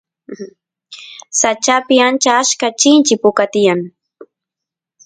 sachapi ancha achka chinchi puka tiyan